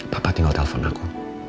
papa tinggal telpon aku